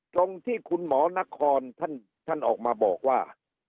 ตรงที่คุณหมอนครท่านออกมาบอกว่า